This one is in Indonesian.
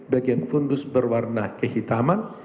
bagian fundus berwarna kehitaman